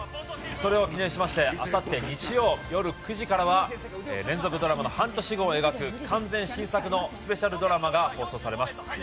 それを記念しましてあさって日曜夜９時からは連続ドラマの半年後を描く完全新作のスペシャルドラマが放送されます。